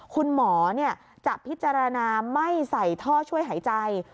คุณหมอจะพิจารณาไม่ใส่ท่อช่วยหายใจ